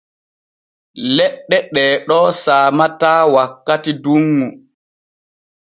Leɗɗe ɗee ɗo saamataa wakkati dunŋu.